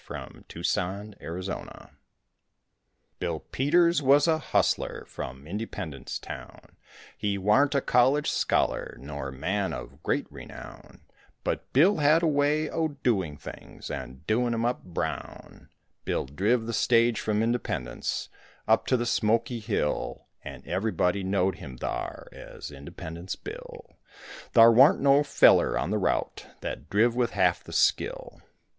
BILL PETERS, THE STAGE DRIVER Bill Peters was a hustler From Independence town; He warn't a college scholar Nor man of great renown, But Bill had a way o' doing things And doin' 'em up brown. Bill driv the stage from Independence Up to the Smokey Hill; And everybody knowed him thar As Independence Bill, Thar warn't no feller on the route That driv with half the skill.